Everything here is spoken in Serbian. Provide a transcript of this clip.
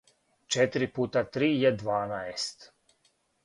четири пута три је дванаест